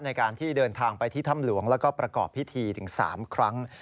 ในการที่เดินทางไปที่ถ้ำหลวงแล้วก็ประกอบพิธีถึง๓ครั้ง